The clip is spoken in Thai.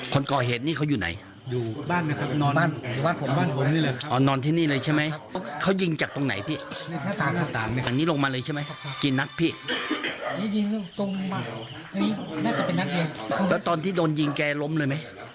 กลับลงเลยใช่ไหมกิ้งเลย